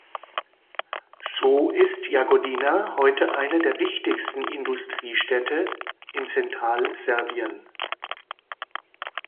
So ist Jagodina heute eine der wichtigsten Industriestädte in Zentralserbien.